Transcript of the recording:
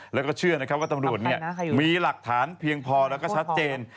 แล้วก็เชื่อนะครับว่าตำรวจมีหลักฐานเพียงพอแล้วก็ชัดเจน